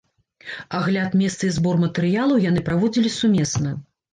Агляд месца і збор матэрыялаў яны праводзілі сумесна.